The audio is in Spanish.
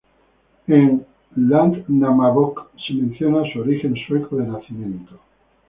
En "Landnámabók" se menciona su origen sueco de nacimiento.